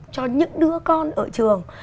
cho những đứa con ở trường